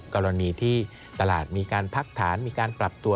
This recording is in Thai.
กรณีที่ตลาดมีการพักฐานมีการปรับตัว